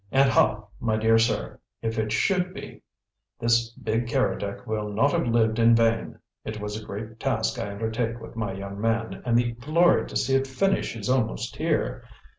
And ha! my dear sir, if it SHOULD be, this big Keredec will not have lived in vain! It was a great task I undertake with my young man, and the glory to see it finish is almost here.